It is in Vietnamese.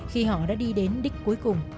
khi họ đã đi đến đích cuối cùng